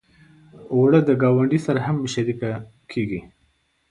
اوړه د ګاونډي سره هم شریکه کېږي